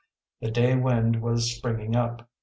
The day wind was springing up.